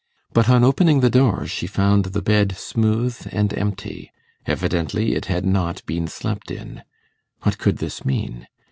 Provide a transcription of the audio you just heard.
But on opening the door she found the bed smooth and empty. Evidently it had not been slept in. What could this mean?